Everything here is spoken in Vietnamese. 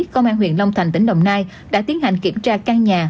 công an huyện long thành tỉnh đồng nai đã tiến hành kiểm tra căn nhà